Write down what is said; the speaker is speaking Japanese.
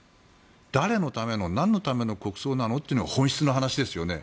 誰のための、なんのための国葬なの？っていうのが本質の話ですよね。